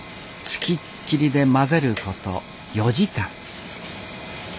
付きっきりで混ぜること４時間